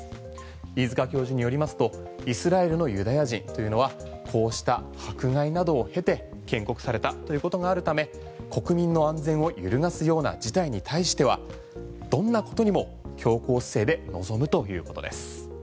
飯塚教授によりますとイスラエルのユダヤ人というのはこうした迫害などを経て建国されたということがあるため国民の安全を揺るがすような事態に対してはどんなことにも強硬姿勢で臨むということです。